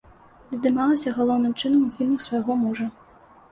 Здымалася галоўным чынам у фільмах свайго мужа.